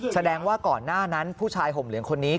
แสดงว่าก่อนหน้านั้นผู้ชายห่มเหลืองคนนี้